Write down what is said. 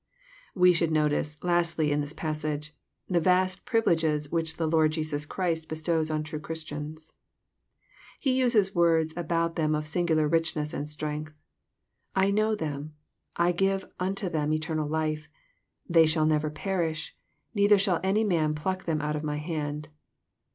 We should notice, lastly, in this passage, iks vast privU leges which the Lord Jesus Christ bestows on true Christians. He uses words about them of singular richness and strength. *^ I know them. — I give unto them eternal life. — They shall never perish, — ^neither shall any man pluck them out of my hand."